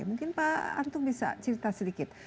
mungkin pak antung bisa cerita sedikit